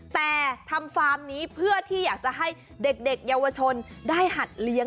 แต่ทำฟาร์มนี้เพื่อที่อยากจะให้เด็กเยาวชนได้หัดเลี้ยง